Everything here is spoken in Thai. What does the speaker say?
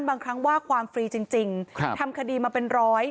บางครั้งว่าความฟรีจริงทำคดีมาเป็นร้อย